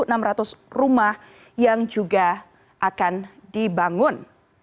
ada enam ratus rumah yang juga akan dibangun